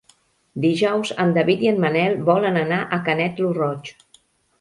Dijous en David i en Manel volen anar a Canet lo Roig.